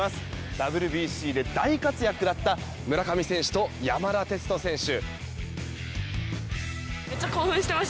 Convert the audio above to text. ＷＢＣで大活躍だった村上選手と山田哲人選手。